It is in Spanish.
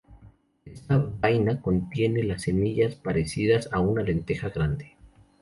Esta vaina contiene las semillas, parecidas a una lenteja grande.